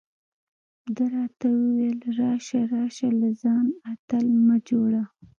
ده راته وویل: راشه راشه، له ځانه اتل مه جوړه.